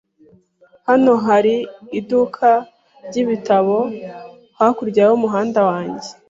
Hano hari iduka ryibitabo hakurya y'umuhanda wanjye.